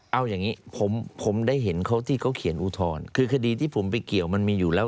เอาอย่างนี้ผมผมได้เห็นเขาที่เขาเขียนอุทธรณ์คือคดีที่ผมไปเกี่ยวมันมีอยู่แล้ว